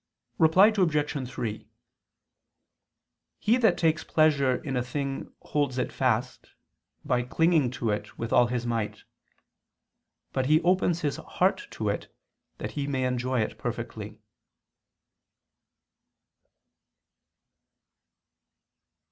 Reply Obj. 3: He that takes pleasure in a thing holds it fast, by clinging to it with all his might: but he opens his heart to it that he may enjoy it perfectly.